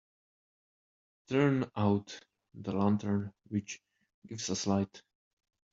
Turn out the lantern which gives us light.